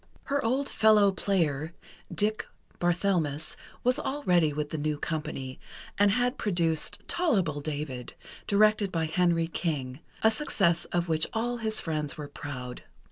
Her old fellow player, "Dick" Barthelmess, was already with the new company, and had produced "Tol'able David," directed by Henry King, a success of which all his friends were proud.